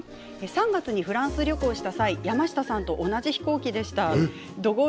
３月にフランス旅行した際山下さんと同じ飛行機でした。